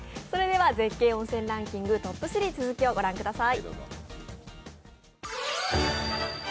絶景温泉ランキングトップ３、続きを御覧ください。